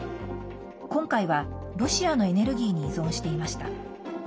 今回は、ロシアのエネルギーに依存していました。